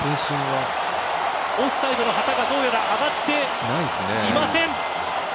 オフサイドの旗がどうやら上がっていません！